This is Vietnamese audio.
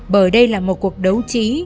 bởi đây là một cuộc đấu trí